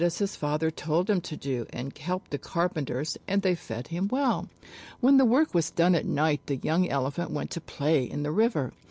JATAKA TALES as his father told him to do and helped the carpenters and they fed him well. When the work was done at night the young Ele phant went to play in the river.